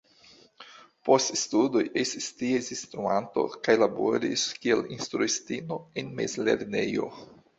Post studoj estis ties instruanto kaj laboris kiel instruistino en mezlernejo.